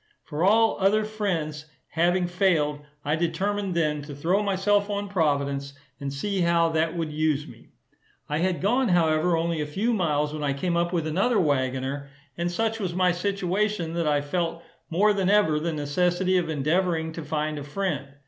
For all other friends having failed, I determined then to throw myself on Providence, and see how that would use me. I had gone, however, only a few miles when I came up with another waggoner, and such was my situation, that I felt more than ever the necessity of endeavouring to find a friend.